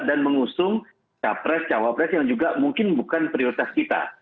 dan mengusung capres cawapres yang juga mungkin bukan prioritas kita